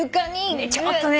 ねちょっとね。